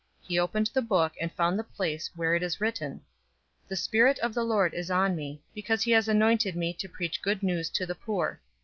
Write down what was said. He opened the book, and found the place where it was written, 004:018 "The Spirit of the Lord is on me, because he has anointed me to preach good news to the poor.